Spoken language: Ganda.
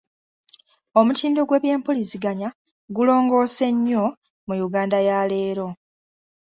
Omutindo gw’eby’empuliziganya gulongoose nnyo mu Yuganda ya leero.